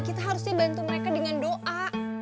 kita harusnya bantu mereka dengan doa